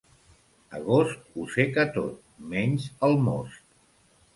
Agost ho seca tot, menys el most.